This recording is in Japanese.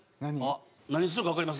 何するかわかります？